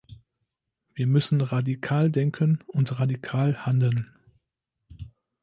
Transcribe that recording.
Wir müssen radikal denken und radikal handeln.